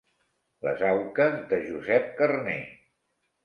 Les auques de Josep Carner.